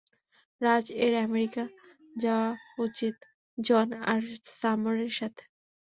রাজ - এর আমেরিকা চলে যাওয়া উচিত, জন আর সামরের সাথে।